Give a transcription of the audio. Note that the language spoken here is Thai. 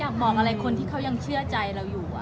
บอกอะไรคนที่เขายังเชื่อใจเราอยู่